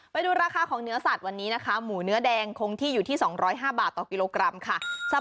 ไปดูราคาของเนื้อสัตว์วันนี้นะคะ